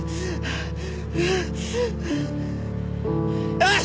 よし！